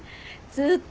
ずーっと？